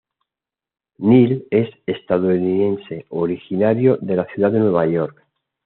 Neel es estadounidense, originario de la ciudad de Nueva York.